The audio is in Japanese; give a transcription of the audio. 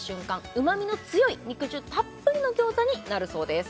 うまみの強い肉汁たっぷりの餃子になるそうです